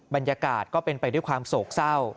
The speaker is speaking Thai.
บรรยากาศก็เป็นไปด้วยความโศกเศร้า